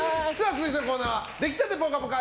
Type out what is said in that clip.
続いてのコーナーはできたてぽかぽか！